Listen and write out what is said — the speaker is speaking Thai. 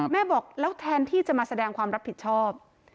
บอกแล้วแทนที่จะมาแสดงความรับผิดชอบ